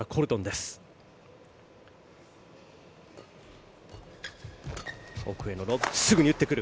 すぐに打ってくる！